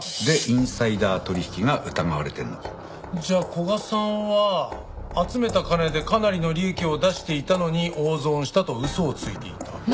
でインサイダー取引が疑われてるの。じゃあ古賀さんは集めた金でかなりの利益を出していたのに大損したと嘘をついていた。